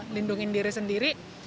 lindungin diri sendiri